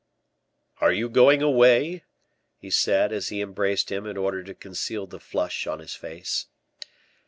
"Are you going away?" he said, as he embraced him, in order to conceal the flush on his face.